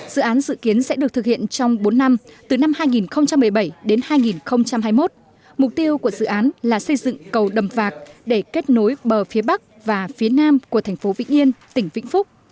dự án dự kiến sẽ được thực hiện trong bốn năm từ năm hai nghìn một mươi bảy đến hai nghìn hai mươi một mục tiêu của dự án là xây dựng cầu đầm vạc để kết nối bờ phía bắc và phía nam của thành phố vĩnh yên tỉnh vĩnh phúc